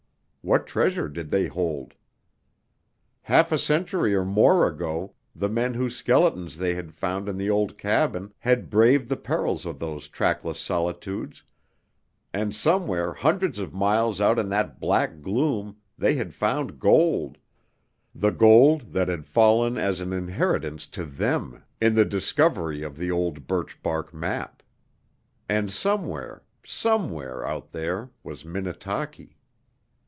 What treasure did they hold? Half a century or more ago the men whose skeletons they had found in the old cabin had braved the perils of those trackless solitudes, and somewhere hundreds of miles out in that black gloom they had found gold, the gold that had fallen as an inheritance to them in the discovery of the old birch bark map. And somewhere, somewhere out there was Minnetaki!